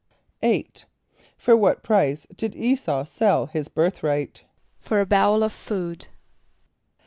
= =8.= For what price did [=E]´s[a:]u sell his birthright? =For a bowl of food.